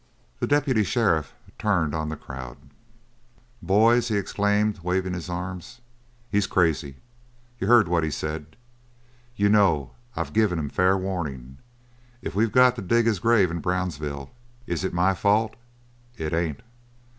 The deputy sheriff turned on the crowd. "Boys," he exclaimed, waving his arms, "he's crazy. You heard what he said. You know I've give him fair warning. If we got to dig his grave in Brownsville, is it my fault? It ain't!"